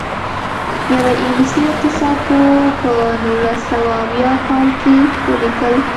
یوه انګلیسي اقتصاد پوه په نولس سوه اویاووه کال کې ولیکل.